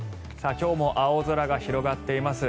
今日も青空が広がっています。